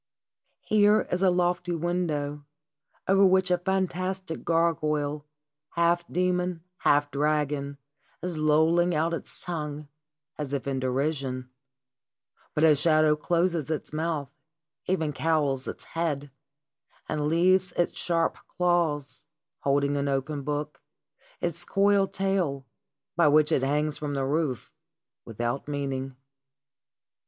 Here is a lofty win Jn Siber Hpon JJnrple. 277 dow, over which a fantastic gargoyle, half demon, half dragon, is lolling out its tongue, as if in derision, but a shadow closes its mouth, even cowls its head, and leaves its sharp claws, holding an open book, its coiled tail, by which it hangs from the roof, without meaning.